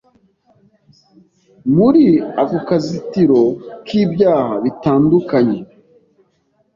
muri ako kazitiro k’ibyaha bitandukanye